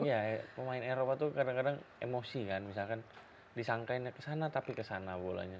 ya pemain eropa itu kadang kadang emosi kan misalkan disangkainnya ke sana tapi ke sana bolanya